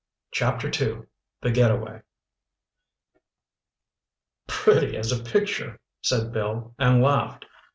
Chapter II THE GETAWAY "Pretty as a picture!" said Bill and laughed.